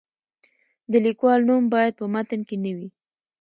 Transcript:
د لیکوال نوم باید په متن کې نه وي.